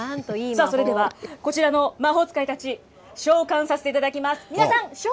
さあ、それではこちらの魔法使いたち、召喚させていただきます。